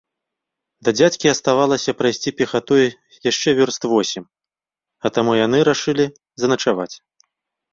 Да дзядзькі аставалася прайсці пехатой яшчэ вёрст восем, а таму яны рашылі заначаваць.